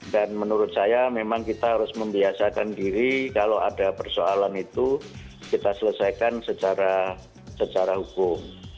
dan menurut saya memang kita harus membiasakan diri kalau ada persoalan itu kita selesaikan secara hukum